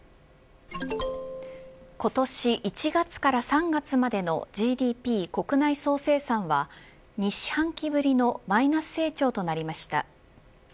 今年１月から３月までのＧＤＰ国内総生産は２四半期ぶりのマイナス成長となりました。